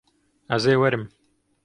Ez ê werim.